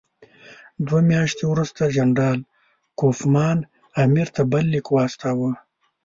دوه میاشتې وروسته جنرال کوفمان امیر ته بل لیک واستاوه.